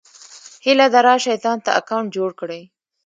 هيله ده راشٸ ځانته اکونټ جوړ کړى